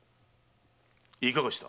いかがした？